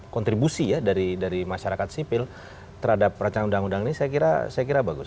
kontribusi ya dari masyarakat sipil terhadap rancangan undang undang ini saya kira bagus